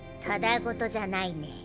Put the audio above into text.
ただごとじゃないね。